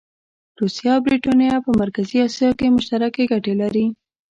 روسیه او برټانیه په مرکزي اسیا کې مشترکې ګټې لري.